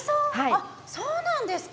あっそうなんですか？